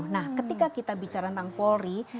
nah ketika kita bicara tentang polri